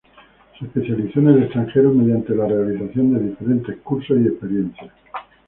Se especializó en el extranjero mediante la realización de diferentes cursos y experiencias.